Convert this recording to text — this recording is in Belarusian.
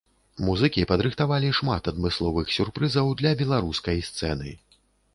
Музыкі падрыхтавалі шмат адмысловых сюрпрызаў для беларускай сцэны.